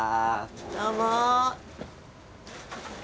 どうも。